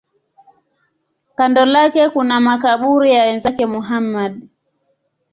Kando lake kuna makaburi ya wenzake Muhammad.